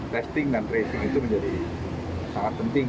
testing dan tracing itu menjadi sangat penting